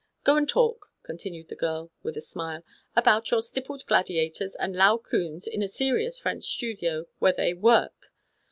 Go and talk," continued the girl, with a smile, "about your stippled gladiators and Laocoons in a serious French studio, where they work.